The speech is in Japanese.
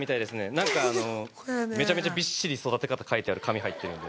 何かあのめちゃめちゃびっしり育て方書いてある紙入ってるんで。